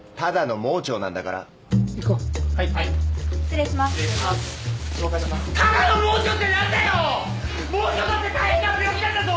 盲腸だって大変な病気なんだぞ！